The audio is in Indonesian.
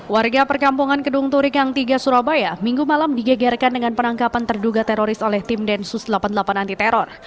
warga perkampungan kedung turikang tiga surabaya minggu malam digegerkan dengan penangkapan terduga teroris oleh tim densus delapan puluh delapan anti teror